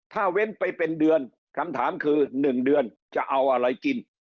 ถ้าเว้นไปเป็นเดือนคำถามคือ๑เดือนจะเอาอะไรกิน